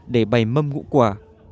để bày mâm ngũ quả